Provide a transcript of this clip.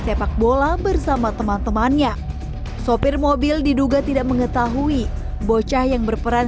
sepak bola bersama teman temannya sopir mobil diduga tidak mengetahui bocah yang berperan